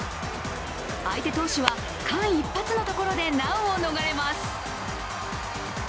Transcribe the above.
相手投手は間一髪のところで難を逃れます。